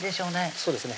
そうですね